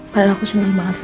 para aku senang banget